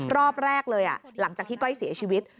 รอบแรกเลยหลังจากที่ก้อยเสียชีวิต